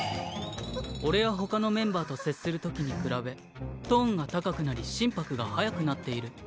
俺やほかのメンバーと接するときに比べトーンが高くなり心拍が速くなっている。